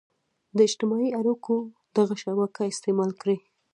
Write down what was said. د اجتماعي اړيکو دغه شبکه استعمال کړي.